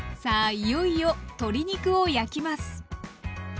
いよいよ鶏肉を焼きます。